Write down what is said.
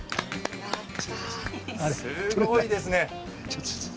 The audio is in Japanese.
すごいですね。